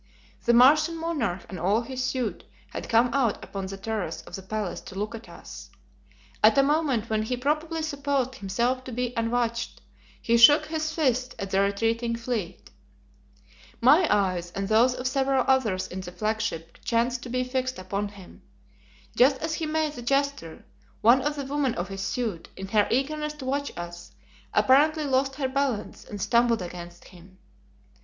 The Martian monarch and all his suite had come out upon the terrace of the palace to look at us. At a moment when he probably supposed himself to be unwatched he shook his fist at the retreating fleet. My eyes and those of several others in the flagship chanced to be fixed upon him. Just as he made the gesture one of the women of his suite, in her eagerness to watch us, apparently lost her balance and stumbled against him.